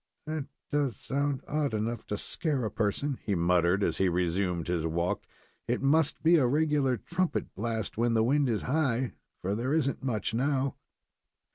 "That does sound odd enough to scare a person," he muttered, as he resumed his walk. "It must be a regular trumpet blast when the wind is high, for there isn't much now."